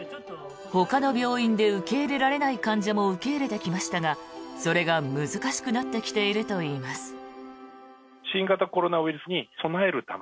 ほかの病院で受け入れられない患者も受け入れてきましたがそれが難しくなってきているといいます。